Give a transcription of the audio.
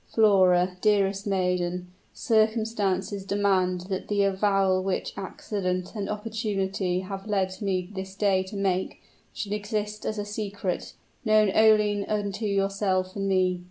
Flora, dearest maiden, circumstances demand that the avowal which accident and opportunity have led me this day to make, should exist as a secret, known only unto yourself and me.